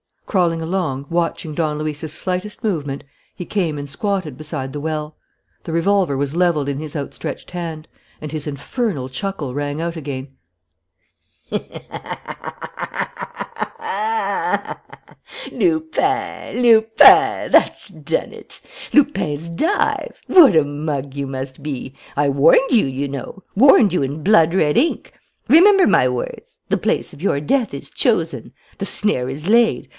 Crawling along, watching Don Luis's slightest movement, he came and squatted beside the well. The revolver was levelled in his outstretched hand. And his infernal chuckle rang out again: "Lupin! Lupin! That's done it! Lupin's dive!... What a mug you must be! I warned you, you know, warned you in blood red ink. Remember my words: 'The place of your death is chosen. The snare is laid.